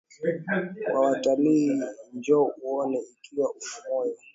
kwa watalii Njoo uone Ikiwa una moyo